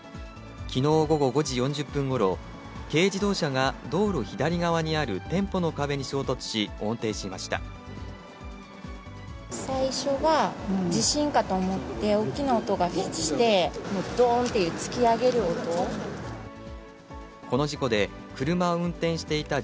きのう午後５時４０分ごろ、軽自動車が道路左側にある店舗の壁に衝突し、横転しました。